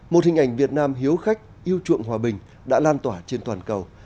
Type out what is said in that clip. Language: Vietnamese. một hình ảnh việt nam hiếu khách yêu chuộng hòa bình đã lan tỏa trên toàn cầu